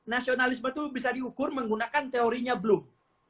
nasionalisme itu bisa diukur menggunakan teorinya blue